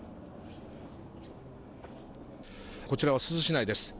こちら、珠洲市内です。